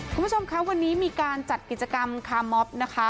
คุณผู้ชมคะวันนี้มีการจัดกิจกรรมคาร์มอบนะคะ